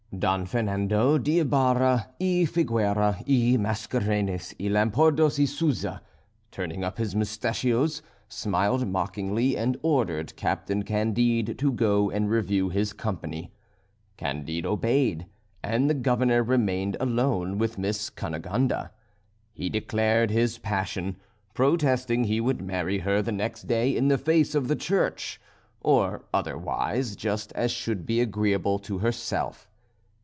Don Fernando d'Ibaraa, y Figueora, y Mascarenes, y Lampourdos, y Souza, turning up his moustachios, smiled mockingly, and ordered Captain Candide to go and review his company. Candide obeyed, and the Governor remained alone with Miss Cunegonde. He declared his passion, protesting he would marry her the next day in the face of the church, or otherwise, just as should be agreeable to herself.